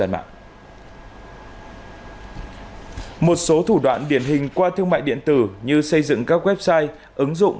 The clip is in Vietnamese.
một số thủ đoạn điển hình qua thương mại điện tử như xây dựng các website ứng dụng